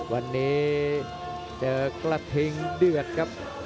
วันนี้เจอกระทิงเดือดครับ